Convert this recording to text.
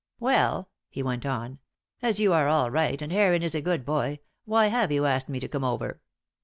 "Well," he went on, "as you are all right and Heron is a good boy, why have you asked me to come over?"